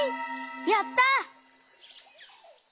やった！